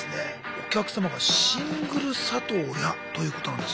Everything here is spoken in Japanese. お客様が「シングル里親」ということなんです。